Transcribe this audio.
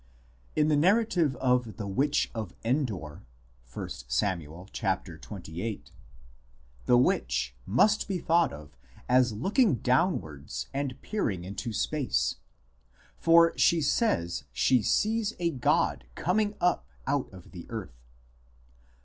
In the narrative of the witch of Endor (1 Sam. xxviii) the witch must be thought of as looking downwards and peering into space for she says she sees a god coming up out of the earth.